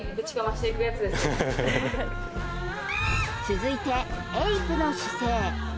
続いてエイプの姿勢